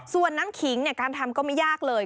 ส่วนน้ำขิงการทำก็ไม่ยากเลย